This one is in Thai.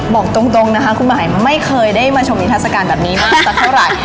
บอกตรงนะคะคุณหมายไม่เคยได้มาชมนิทัศกาลแบบนี้มากสักเท่าไหร่